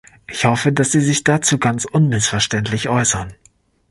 Ich hoffe, dass Sie sich dazu ganz unmissverständlich äußern.